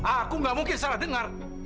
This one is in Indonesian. aku gak mungkin salah dengar